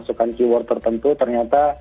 bukan keyword tertentu ternyata